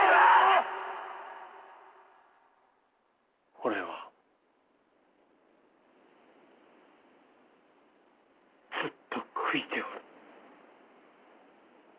俺はずっと悔いておる。